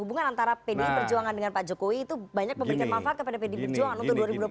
hubungan antara pdip perjuangan dengan pak jokowi itu banyak memberikan manfaat kepada pdip perjuangan